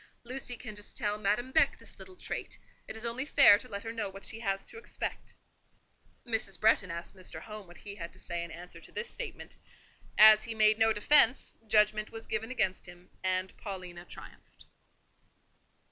Lucy can just tell Madame Beck this little trait: it is only fair to let her know what she has to expect." Mrs. Bretton asked Mr. Home what he had to say in answer to this statement. As he made no defence, judgment was given against him, and Paulina triumphed.